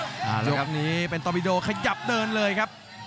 อาละครับค่ะโยคและครับโยคนี้เป็นตอบิโดขยับเดินเลยครับ